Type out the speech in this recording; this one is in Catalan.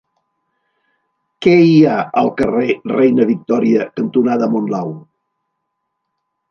Què hi ha al carrer Reina Victòria cantonada Monlau?